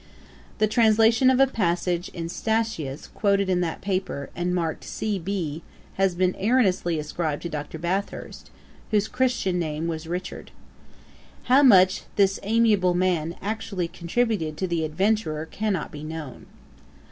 The translation of a passage in Statius quoted in that paper, and marked C. B. has been erroneously ascribed to Dr. Bathurst, whose Christian name was Richard. How much this amiable man actually contributed to The Adventurer, cannot be known.